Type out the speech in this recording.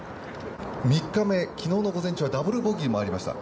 ３日目、昨日の午前中はダブルボギーがありました